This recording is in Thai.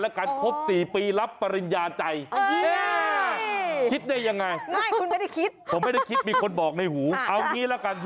และการคบ๔ปีรับปริญญาใจ